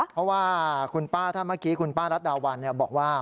เพราะว่าคุณป้าถ้าเมื่อกี้คุณป้ารัดดาวันบอกว่า